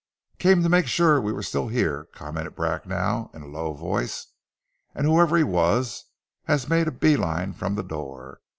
"Came to make sure we were still here," commented Bracknell in a low voice, "and whoever he was he has made a bee line from the door.